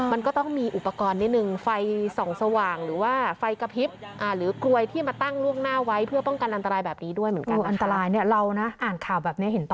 มันก็ต้องมีอุปกรณ์นิดนึงไฟส่องสว่างหรือว่าไฟกระพริบ